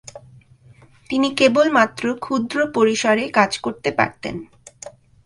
তিনি কেবলমাত্র ক্ষুদ্র পরিসরে কাজ করতে পারতেন।